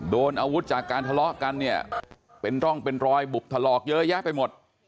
โดนอาวุธจากการทะเลาะกันเนี่ยเป็นร่องเป็นรอยบุบถลอกเยอะแยะไปหมด